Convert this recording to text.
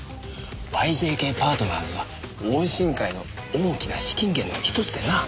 ＹＪＫパートナーズは桜心会の大きな資金源の一つでな。